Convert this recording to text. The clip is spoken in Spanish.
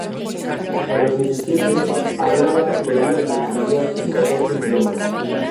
A los diecisiete hablaba, leía y escribía en catorce idiomas.